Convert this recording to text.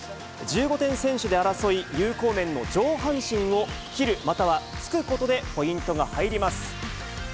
１５点先取で争い、有効面の上半身を斬るまたは突くことで、ポイントが入ります。